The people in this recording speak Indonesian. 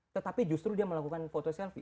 tetapi justru dia melakukan foto selfie